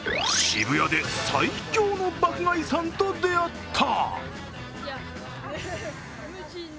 渋谷で最強の爆買いさんと出会った。